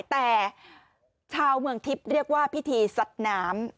แต่ชาวเมืองทิพย์เรียกว่าพิธีสัดน้ำ